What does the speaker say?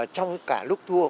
trong cả lúc thua